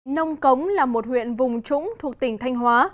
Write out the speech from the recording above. nông cống là một huyện vùng trũng thuộc tỉnh thanh hóa